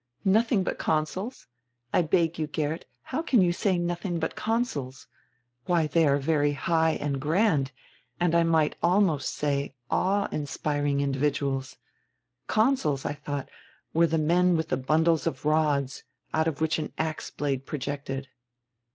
"Nothing but consuls! I beg you, Geert, how can you say 'nothing but consuls?' Why, they are very high and grand, and, I might almost say, awe inspiring individuals. Consuls, I thought, were the men with the bundles of rods, out of which an ax hlade projected."